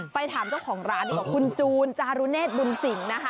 ไปถามเจ้าของร้านดีกว่าคุณจูนจารุเนธบุญสิงนะคะ